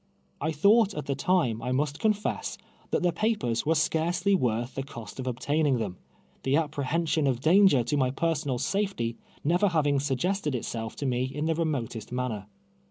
I thought at the time, I must confess, that the papers were scarcely worth the cost of obtaining them — the apprehension of danger to my personal safety never having suggested itself to mo in the remotest manner.